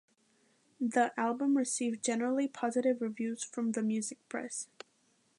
The album received generally positive reviews from the music press.